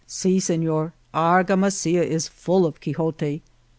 Si, Sefior, Argamasilla is full of Quixote.